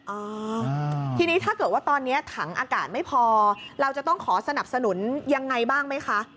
อ่าทีนี้ถ้าเกิดว่าตอนนี้ถังอากาศไม่พอเราจะต้องขอสนับสนุนยังไงบ้างไหมคะ